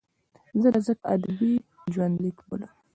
زه دا ځکه ادبي ژوندلیک بولم.